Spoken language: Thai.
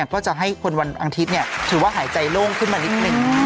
ก็จะให้คนวันอาทิตย์ถือว่าหายใจโล่งขึ้นมานิดนึง